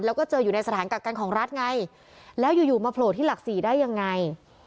แล้วก็เจออยู่ในสถานกักกันของรัฐไงแล้วอยู่อยู่มาโผล่ที่หลักสี่ได้ยังไง